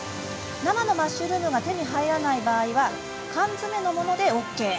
生のマッシュルームが手に入らない場合は缶詰のものでＯＫ。